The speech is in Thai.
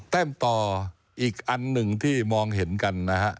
แต้มต่ออีกอันหนึ่งที่มองเห็นกันนะฮะ